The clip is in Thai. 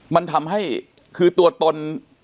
มันทำให้คือตัวตน